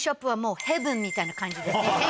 みたいな感じですね。